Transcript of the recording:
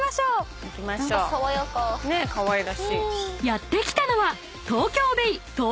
［やって来たのは］